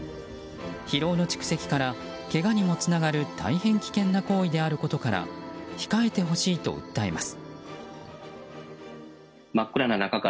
疲労の蓄積からけがにもつながる大変危険な行為であることから控えてほしいと訴えます。